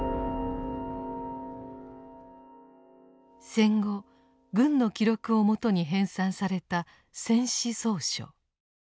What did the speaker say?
戦後軍の記録をもとに編纂された「戦史叢書」。